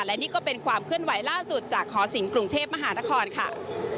และนี่ก็เป็นความเคลื่อนไหวล่าสุดจากหอศิลปกรุงเทพมหานครค่ะ